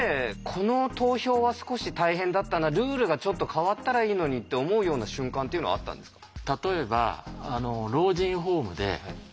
この投票は少し大変だったなルールがちょっと変わったらいいのにって思うような瞬間っていうのはあったんですか？